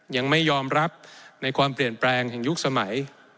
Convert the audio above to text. ยังไม่ยอมรับในความเปลี่ยนแปลงแห่งยุคสมัย